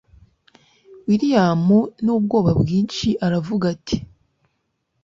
william nubwoba bwinshi aravuga ati